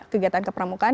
kegiatan ke pramuka